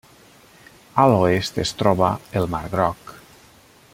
A l'oest es troba el mar Groc.